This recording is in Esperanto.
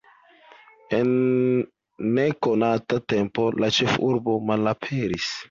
En nekonata tempo la ĉefurbo malaperis.